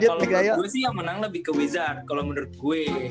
kalo menurut gue sih yang menang lebih ke wizards kalo menurut gue